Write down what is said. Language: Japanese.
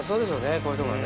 こういうとこはね。